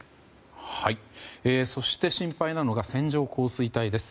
そして、心配なのが線状降水帯です。